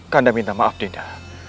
kandang minta maaf nda